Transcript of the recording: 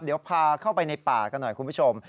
เดี๋ยวพาเข้าไปในป่ากันหน่อยคุณผู้ชม